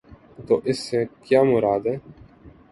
تو اس سے کیا مراد ہے؟